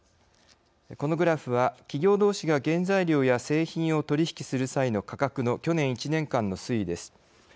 このグラフは、企業どうしが原材料や製品を取り引きする際の価格の去年１年間の推移です。